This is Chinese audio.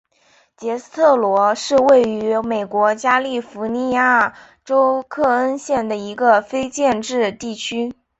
杰斯特罗是位于美国加利福尼亚州克恩县的一个非建制地区。